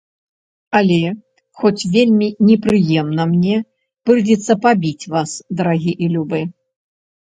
Але, хоць вельмі непрыемна мне, прыйдзецца пабіць вас, дарагі і любы.